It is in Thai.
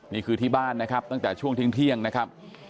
นี่คือที่บ้านนะครับตั้งแต่ช่วงเที่ยงนะครับ